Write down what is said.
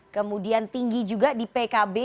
kemudian tinggi juga di pkb